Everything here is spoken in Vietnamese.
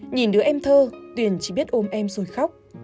nhìn đứa em thơ tuyền chỉ biết ôm em rồi khóc